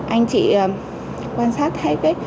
anh chị quan sát thấy